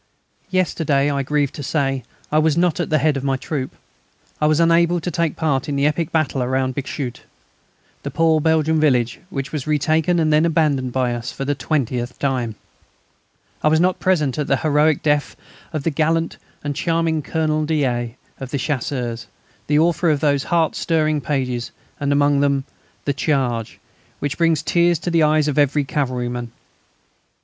Yesterday, I grieve to say, I was not at the head of my troop. I was unable to take part in the epic battle round Bixschoote, the poor Belgian village which was retaken and then abandoned by us for the twentieth time. I was not present at the heroic death of the gallant and charming Colonel d'A., of the Chasseurs, the author of those heart stirring pages and among them "The Charge" which bring tears to the eyes of every cavalryman.